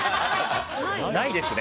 ないですね。